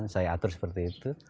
saya atur seperti itu